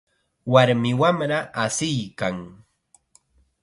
Warmi wamra asiykan.